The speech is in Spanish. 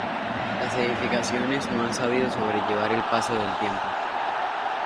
Las edificaciones no han sabido sobrellevar el paso del tiempo.